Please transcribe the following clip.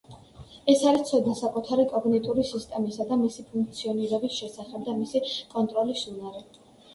ეს არის ცოდნა საკუთარი კოგნიტური სისტემისა და მისი ფუნქციონირების შესახებ და მისი კონტროლის უნარი.